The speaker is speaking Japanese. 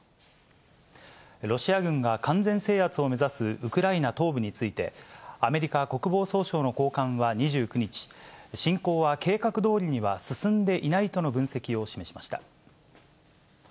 ロシア軍が完全制圧を目指すウクライナ東部について、アメリカ国防総省の高官は２９日、侵攻は計画どおりには進んでいないとの分析を示しました。